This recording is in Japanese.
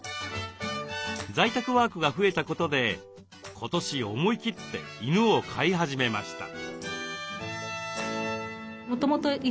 在宅ワークが増えたことで今年思い切って犬を飼い始めました。